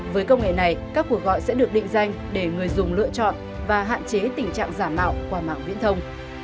với công nghệ này các cuộc gọi sẽ được định danh để người dùng lựa chọn và hạn chế tình trạng giả mạo qua mạng viễn thông